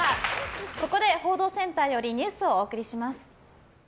ここで報道センターよりニュースをお送りします。